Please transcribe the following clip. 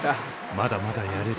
まだまだやれる。